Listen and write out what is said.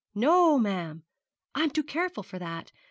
'No, ma'am; I'm too careful for that.